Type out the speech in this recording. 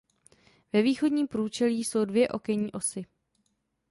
Ve východním průčelí jsou dvě okenní osy.